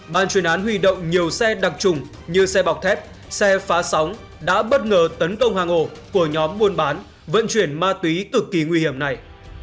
ban chuyên án huy động nhiều xe đặc trùng như xe bọc thép xe phá sóng đã bất ngờ tấn công hàng ổ của nhóm buôn bán vận chuyển ma túy cực kỳ nguy hiểm này